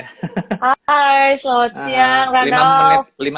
hai selamat siang randolf